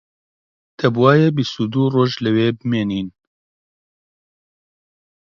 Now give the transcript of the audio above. دەبوایە بیست و دوو ڕۆژ لەوێ بمێنین